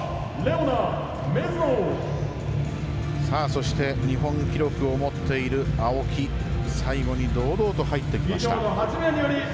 そして、日本記録を持っている青木最後に堂々と入ってきました。